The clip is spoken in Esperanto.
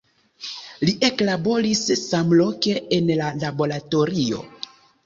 Li eklaboris samloke en la laboratorio.